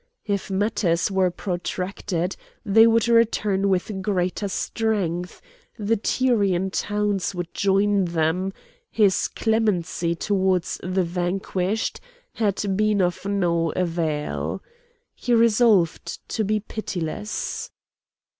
If matters were protracted they would return with greater strength; the Tyrian towns would join them; his clemency towards the vanquished had been of no avail. He resolved to be pitiless.